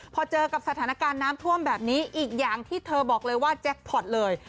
พอเจอกับสถานการณ์น้ำท่วมแบบนี้อีกอย่างที่เธอบอกเลยว่าแจ็คพอร์ตเลย